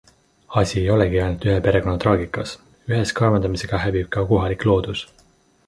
Asi ei olegi ainult ühe perekonna traagikas - ühes kaevandamisega hävib ka kohalik loodus.